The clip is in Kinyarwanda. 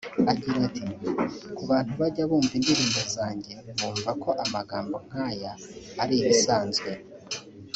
Agira ati “Ku bantu bajya bumva indirimbo zanjye bumva ko amagambo nk’aya ari ibisanzwe